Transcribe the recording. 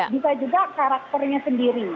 bisa juga karakternya sendiri